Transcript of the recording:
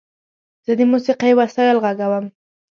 زه د موسیقۍ وسایل غږوم.